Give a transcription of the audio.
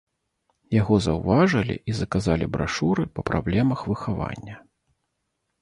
Яго заўважылі і заказалі брашуры па праблемах выхавання.